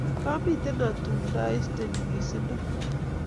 Kamite atume ndaiste nyigisindo